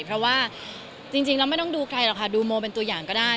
เพราะว่าจริงเราไม่ต้องดูใครหรอกค่ะดูโมเป็นตัวอย่างก็ได้